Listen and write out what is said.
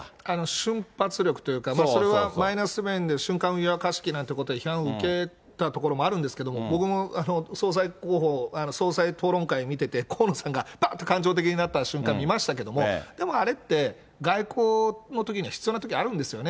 瞬発力というか、それはマイナス面で瞬間湯沸かし器なんて批判を受けたところもあるんですけれども、僕も総裁候補、総裁討論会見てて、河野さんがばって感情的になった瞬間見ましたけれども、でも、あれって、外交のときには必要なときあるんですよね。